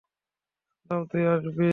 জানতাম তুই আসবি।